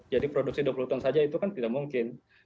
jadi produksi dua puluh ton saja itu kan tidak mungkin